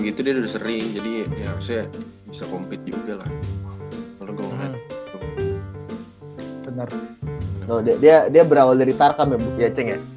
gitu dia udah sering jadi ya harusnya bisa compete juga lah bener dia berawal dari tarkam ya ceng ya